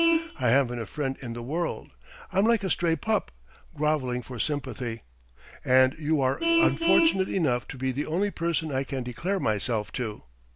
I haven't a friend in the world. I'm like a stray pup, grovelling for sympathy. And you are unfortunate enough to be the only person I can declare myself to.